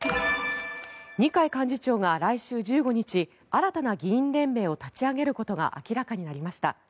二階幹事長が来週１５日新たな議員連盟を立ち上げることが明らかになりました。